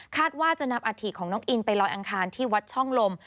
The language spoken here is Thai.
ว่าจะนำอาธิของน้องอินไปลอยอังคารที่วัดช่องลม